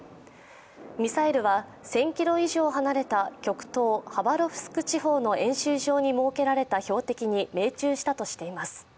ミサイルは１０００ｋｍ以上離れた極東ハバロフスク地方の演習場に設けられた標的に命中したとしています。